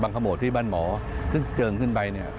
บังขโมดที่บ้านหมอซึ่งเจิงขึ้นไป